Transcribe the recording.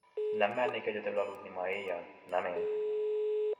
Nem mernék egyedül aludni ma éjjel, nem én!